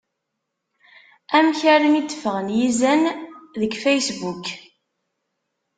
Amek armi d-ffɣen yizan deg Facebook?